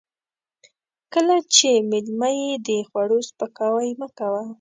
کله چې مېلمه يې د خوړو سپکاوی مه کوه.